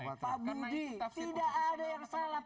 pak budi tidak ada yang salah